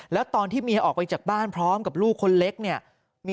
แล้วตอนที่เมียออกไปจากบ้านพร้อมกับลูกคนเล็กเนี่ย